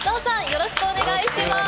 よろしくお願いします。